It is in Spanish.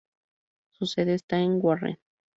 Su sede está en Warren.